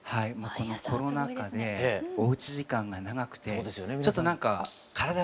このコロナ禍でおうち時間が長くてちょっとなんか体がなまっているので。